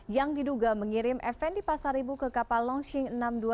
yang diduga mengirim fn di pasar ibu ke kapal longxing enam ratus dua puluh sembilan